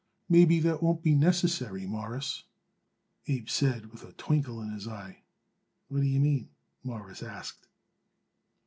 "Maybe that wouldn't be necessary, Mawruss," Abe said, with a twinkle in his eye. "What d'ye mean?" Morris asked.